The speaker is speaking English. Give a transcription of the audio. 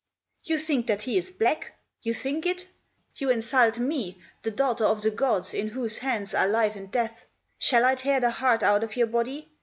" You think that he is black ? You think it ? You insult me, the daughter of the gods, in whose hands are life and death 1 Shall I tear the heart out of your body